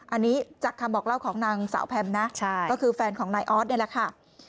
อันนี้จากคำบอกเล่าของนางสาวแพมนะก็คือแฟนของนายออสนี่แหละค่ะ